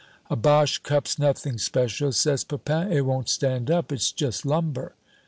"A Boche cup's nothing special," says Pepin; "it won't stand up, it's just lumber."